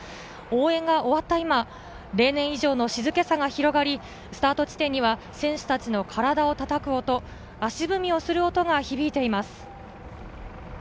応援が終わった今、例年以上の静けさが広がり、スタート地点には選手たちの体を叩く音、足踏みをする音が響いています。